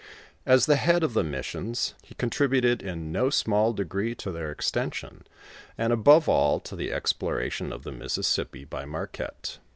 As the head of the missions, he contributed in no small degree to their extension, and above all, to the exploration of the Mississippi, by Marquette.